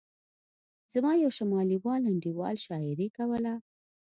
زما یو شمالي وال انډیوال شاعري کوله.